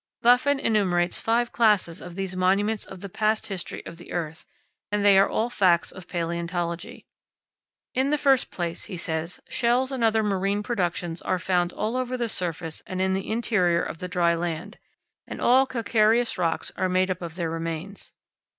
Buffon enumerates five classes of these monuments of the past history of the earth, and they are all facts of palaeontology. In the first place, he says, shells and other marine productions are found all over the surface and in the interior of the dry land; and all calcareous rocks are made up of their remains.